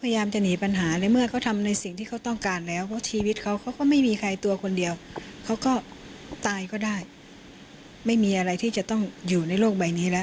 อยากให้เขารับโทษตามกฎหมายค่ะ